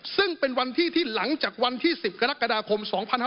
ซึ่งเป็นวันที่ที่หลังจากวันที่๑๐กรกฎาคม๒๕๖๒